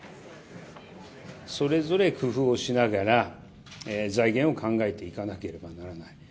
それぞれ工夫をしながら、財源を考えていかなければならない。